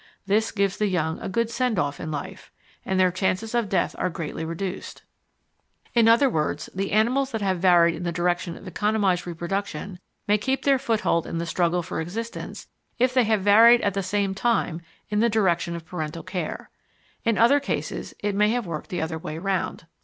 This gives the young a good send off in life, and their chances of death are greatly reduced. In other words, the animals that have varied in the direction of economised reproduction may keep their foothold in the struggle for existence if they have varied at the same time in the direction of parental care. In other cases it may have worked the other way round.